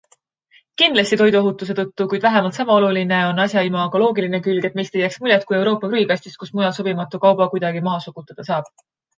Kindlasti toiduohutuse tõttu, kuid vähemalt sama oluline on asja imagoloogiline külg, et meist ei jääks muljet kui Euroopa prügikastist, kus mujal sobimatu kauba kuidagi maha sokutada saab.